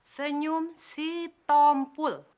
senyum si tompul